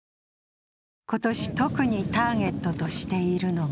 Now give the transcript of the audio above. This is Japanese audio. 今年、特にターゲットとしているのが